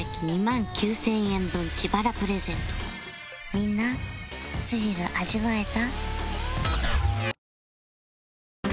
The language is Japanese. みんなスリル味わえた？